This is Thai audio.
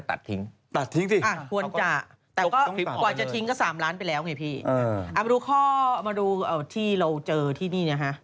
แต่ก็กว่าจะทิ้งก็๓ล้านไปแล้วไงพี่เอามาดูข้อมาดูที่เราเจอที่นี่นะฮะ